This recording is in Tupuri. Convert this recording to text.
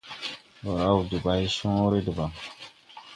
Ndɔ raw debaycõõre debaŋ.